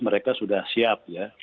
mereka sudah siap ya